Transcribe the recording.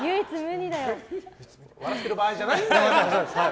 笑ってる場合じゃないんだよ！